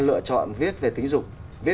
lựa chọn viết về tình dục